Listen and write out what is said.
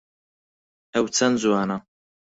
ئەو چەند جوانە!